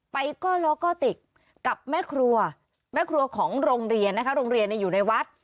กล้อก็ติดกับแม่ครัวแม่ครัวของโรงเรียนนะคะโรงเรียนอยู่ในวัด